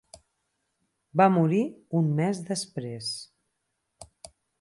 Va morir un mes després.